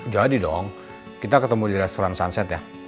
jadi dong kita ketemu di restoran sunset ya